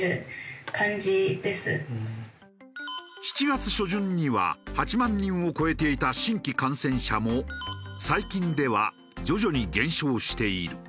７月初旬には８万人を超えていた新規感染者も最近では徐々に減少している。